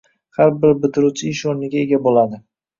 Har bir bitiruvchi ish o‘rniga ega bo‘ladi